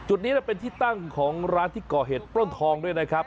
จุดนี้เป็นที่ตั้งของร้านที่ก่อเหตุปล้นทองด้วยนะครับ